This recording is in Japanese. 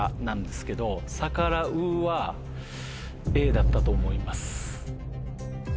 だったと思います。